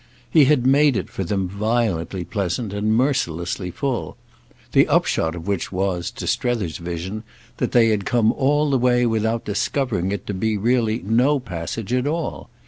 He had made it for them violently pleasant and mercilessly full; the upshot of which was, to Strether's vision, that they had come all the way without discovering it to be really no passage at all.